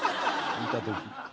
見た時。